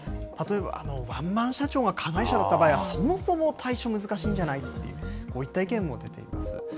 例えば、ワンマン社長が加害者だった場合は、そもそも対処難しいんじゃないって、こういった意見も出ています。